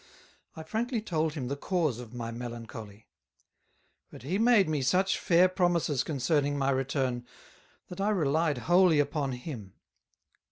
I frankly told him the Cause of my Melancholy; but he made me such fair Promises concerning my Return, that I relied wholly upon him.